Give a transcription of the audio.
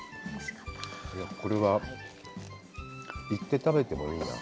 これは行って食べてもいいな。